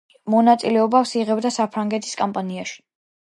მონაწილეობას იღებდა საფრანგეთის კამპანიაში.